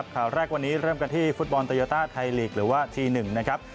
ข่าวแรกวันนี้เริ่มกันที่ฟุตบอลโตโยต้าไทยลีกหรือว่าที๑นะครับ